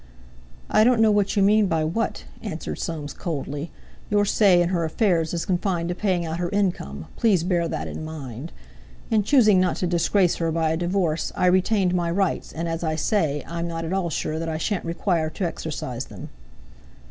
"I don't know what you may mean by 'what,'" answered Soames coldly; "your say in her affairs is confined to paying out her income; please bear that in mind. In choosing not to disgrace her by a divorce, I retained my rights, and, as I say, I am not at all sure that I shan't require to exercise them."